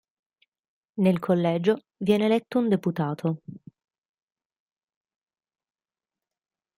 Nel collegio viene eletto un deputato.